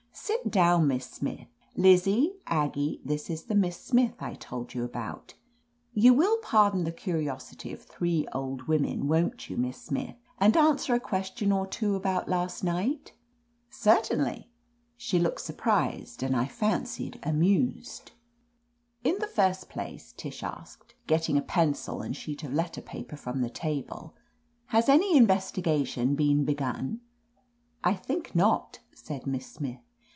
"Sit down. Miss Smith. Liz zie, Aggie, this is the Miss Smith I told you about. You will pardon the curiosity of ,three old women, won't you. Miss Smith, and an swer a question or two about last night ?" "Certainly." She looked surprised, and I fancied amused. "In the first place," Tish asked, getting a pencil and sheet of letter paper from the table, "has any investigation been begun ?" "I think not," said Miss Smith.